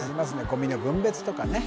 ゴミの分別とかね